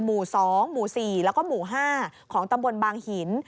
หมู่๒หมู่๔แล้วก็หมู่๕ของตำบลบางหิน